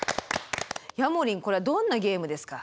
ヤモリンこれはどんなゲームですか？